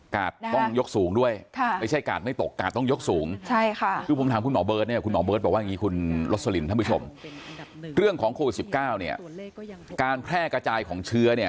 กาดต้องยกสูงด้วยไม่ใช่กาดไม่ตกกาดต้องยกสูง